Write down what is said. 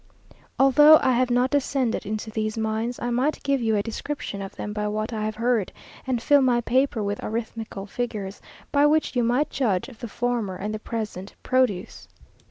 Although I have not descended into these mines, I might give you a description of them by what I have heard, and fill my paper with arithmetical figures, by which you might judge of the former and the present produce.